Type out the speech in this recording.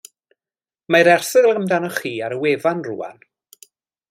Mae'r erthygl amdanoch chi ar y wefan rŵan.